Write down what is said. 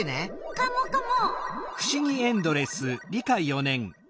カモカモ！